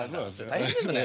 大変ですね。